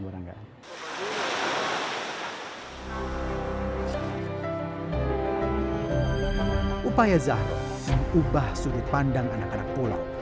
upaya zahro mengubah sudut pandang anak anak pulau